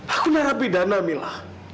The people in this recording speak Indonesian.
aku narapi dana mila